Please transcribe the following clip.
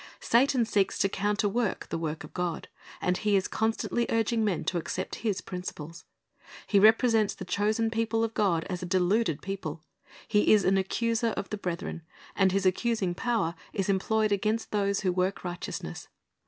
Satan seeks to counterwork the work of God, and he is constantly urging men to accept his principles. He represents the chosen people of God as a deluded people. He is an accuser of the brethren, and his accusing power is employed against those who work righteousness.